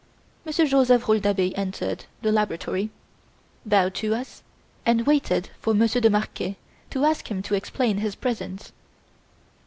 Monsieur Joseph Rouletabille entered the laboratory, bowed to us, and waited for Monsieur de Marquet to ask him to explain his presence.